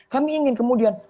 kami ingin kemudian